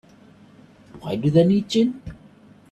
Why do they need gin?